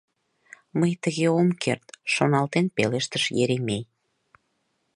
— Мый тыге ом керт... — шоналтен пелештыш Еремей.